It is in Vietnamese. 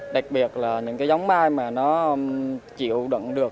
đặc biệt là những cái giống mai mà nó chịu đựng được